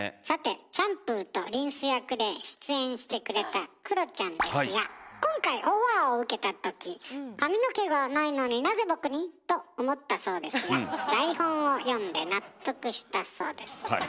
さてシャンプーとリンス役で出演してくれたクロちゃんですが今回オファーを受けたとき「髪の毛がないのになぜ僕に？」と思ったそうですが台本を読んで納得したそうです。